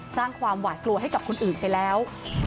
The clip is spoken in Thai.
สร้างความหวาดกลัวให้กับคนอื่นไปแล้ว